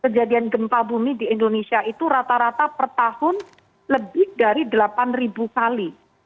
kejadian gempa bumi di indonesia itu rata rata per tahun lebih dari delapan ribu kali